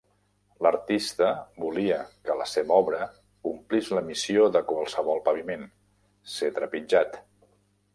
L'artista volia que la seva obra complís la missió de qualsevol paviment, ser trepitjat.